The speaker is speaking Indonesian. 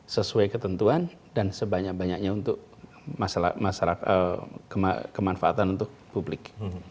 sesuai ketentuan dan sebanyak banyaknya untuk kemanfaatan untuk publik